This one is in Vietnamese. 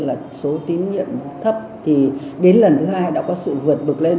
là số tín nhiệm thấp thì đến lần thứ hai đã có sự vượt bực lên